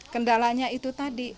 kendalanya itu tadi